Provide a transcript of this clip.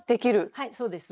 はいそうです。